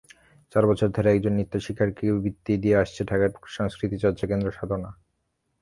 চার বছর ধরে একজন নৃত্যশিক্ষার্থীকে বৃত্তি দিয়ে আসছে ঢাকার সংস্কৃতিচর্চা কেন্দ্র সাধনা।